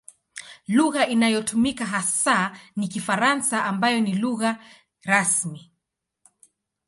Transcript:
Lugha inayotumika hasa ni Kifaransa ambayo ni lugha rasmi.